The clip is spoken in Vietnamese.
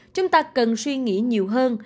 chúng ta cần suy nghĩ nhiều hơn